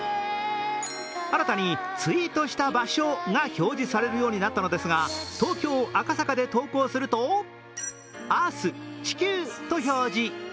新たにツイートした場所が表示されるようになったのですが東京・赤坂で投稿するとＥａｒｔｈと表示。